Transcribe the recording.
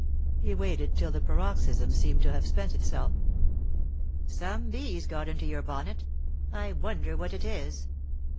He waited till the paroxysm seemed to have spent itself " Some bee's got into your bonnet ; I wonder what it is.